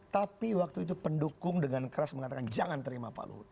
tapi waktu itu pendukung dengan keras mengatakan jangan terima pak luhut